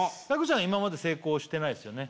今まで成功してないっすよね？